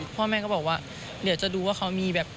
พ่อแม่ก็บอกว่าเดี๋ยวจะดูว่าเขามีแบบ